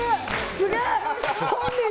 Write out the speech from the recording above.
すげえ！